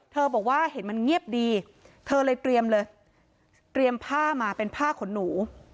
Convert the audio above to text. บอกว่าเห็นมันเงียบดีเธอเลยเตรียมเลยเตรียมผ้ามาเป็นผ้าขนหนู